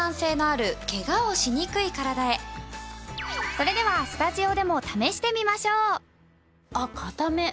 それではスタジオでも試してみましょう。